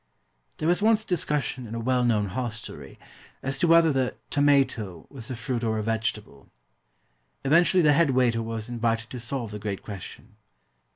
There was once a discussion in a well known hostelry, as to whether the Tomato was a fruit or a vegetable. Eventually the head waiter was invited to solve the great question.